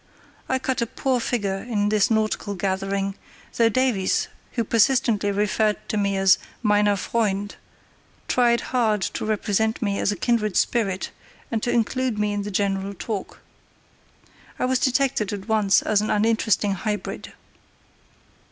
I cut a poor figure in this nautical gathering, though Davies, who persistently referred to me as "meiner Freund", tried hard to represent me as a kindred spirit and to include me in the general talk. I was detected at once as an uninteresting hybrid.